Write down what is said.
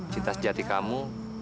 cinta sejati kamu